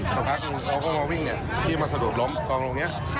กำลังวิ่งมาสะดดลมกลองลงนี้